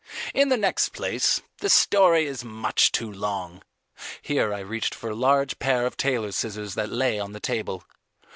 "In the next place, the story is much too long." Here I reached for a large pair of tailor's scissors that lay on the table.